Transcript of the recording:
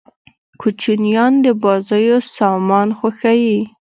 کوچنيان د بازيو سامان خوښيي.